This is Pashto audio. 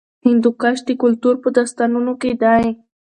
هندوکش د کلتور په داستانونو کې دی.